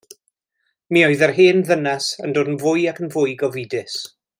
Mi oedd yr hen ddynes yn dod yn fwy ac yn fwy gofidus.